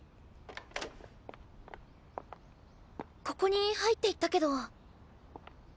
ここに入っていったけど。